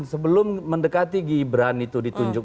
sebelum mendekati gibran itu ditunjuk